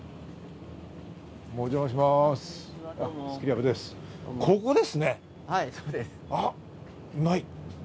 お邪魔します。